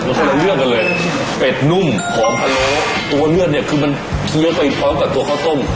แล้วเขาเลือกมันเลยเป็ดหนุ่มหอมตัวเขาโรผัวเหนือจะเคียกไปพร้อมกับตัวข้าวต้ม